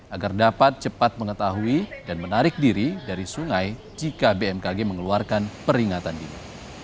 agar dapat cepat mengetahui dan menarik diri dari sungai jika bmkg mengeluarkan peringatan dini